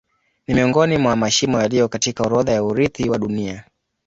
Ni miongoni mwa mashimo yaliyo katika orodha ya urithi wa Dunia.